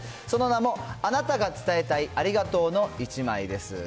その名も、あなたが伝えたいありがとうの１枚です。